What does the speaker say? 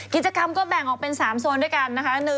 กิจกรรมก็แบ่งออกเป็น๓โซนด้วยกันนะคะ